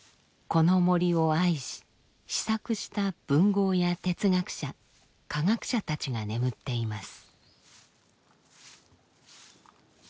この森を愛し思索した文豪や哲学者科学者たちが眠っています。